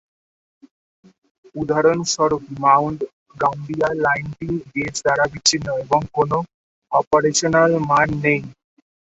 উদাহরণস্বরূপ, Mount Gambier লাইনটি gauge দ্বারা বিচ্ছিন্ন এবং কোনও অপারেশনাল মান নেই।